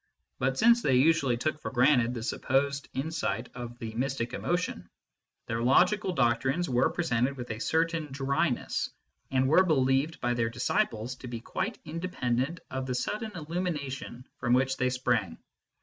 But since they usually took for granted the supposed insight of the mystic emotion, their logical doctrines were presented with a certain dryness, and were believed by their dis ciples to be quite independent of the sudden illumination from which they sprang.